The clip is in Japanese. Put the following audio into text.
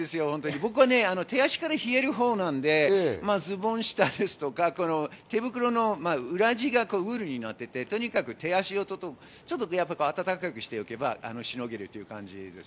僕は手足から冷えるほうなので、ズボン下ですとか、手袋の裏地がウールになっていて、とにかく手足をちょっと温かくしておけば、しのげるという感じです。